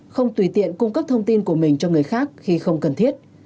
không tùy tiện cung cấp thông tin của mình cho người khác khi không cần thiết